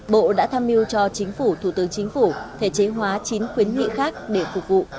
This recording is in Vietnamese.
bộ đã tham mưu cho chính phủ thủ tướng chính phủ thể chế hóa chín khuyến nghị khác để phục vụ